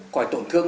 khỏi tổn thương